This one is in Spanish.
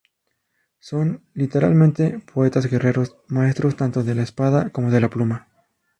Son literalmente "poetas-guerreros", maestros tanto de la espada como de la pluma.